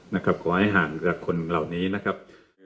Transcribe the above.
นะครับขอให้ห่างกับคนเหล่านี้นะครับ